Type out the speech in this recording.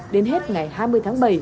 đến hết ngày hai mươi tháng bảy